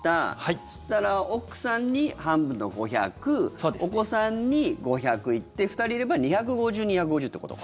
そうしたら奥さんに半分の５００万円お子さんに５００万円行って２人いれば２５０万円２５０万円ってことか。